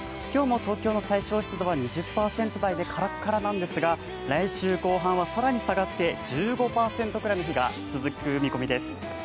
今日も東京の最小湿度は２０％台でカラッカラなんですが来週後半は更に下がって１５％ぐらいの日が続く見込みです。